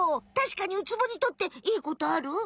たしかにウツボにとっていいことある？